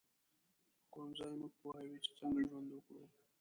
ښوونځی موږ پوهوي چې څنګه ژوند وکړو